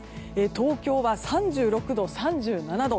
東京は３６度、３７度。